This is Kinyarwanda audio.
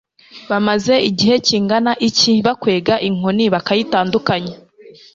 bamaze igihe kingana iki bakwega inkoni, bakayitandukanya